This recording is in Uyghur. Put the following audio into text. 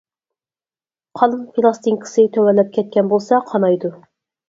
قان پىلاستىنكىسى تۆۋەنلەپ كەتكەن بولسا قانايدۇ.